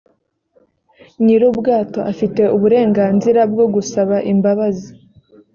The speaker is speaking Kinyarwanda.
nyir ubwato afite uburenganzira bwo gusaba imbabazi